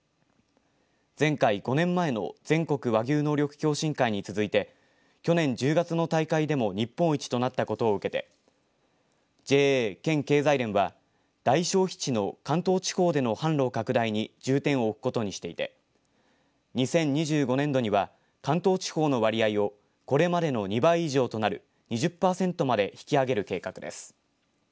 前回５年前の全国和牛能力共進会に続いて去年１０月の大会でも日本一となったことを受けてＪＡ県経済連は大消費地の関東地方での販路拡大に重点を置くことにしていて２０２５年度には関東地方の割合をこれまでの２倍以上となる２０パーセントまで引き上げる計画です。